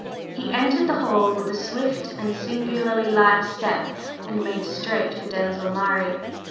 He entered the hall with a swift and singularly light step, and made straight for Denzil Murray.